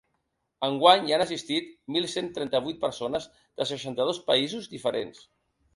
Enguany hi han assistit mil cent trenta-vuit persones de seixanta-dos països diferents.